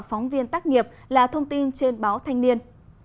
phóng viên tác nghiệp là thông tin trên báo thanh niên